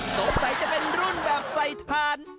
สงสัยจะเป็นรุ่นแบบใส่ถ่าน